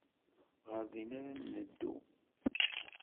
Ɣer din ara neddu.